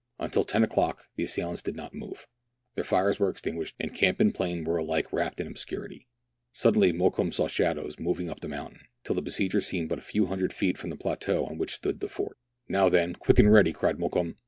Until ten o'clock the assailants did not move ; their fires were extinguished, and camp and plain were alike wrapped in obscurity. Suddenly Mokoum saw shadows moving up the mountain, till the besiegers seemed but a few hundred feet from the plateau on which stood the fort. "Now then, quick and ready!" cried Mokoum.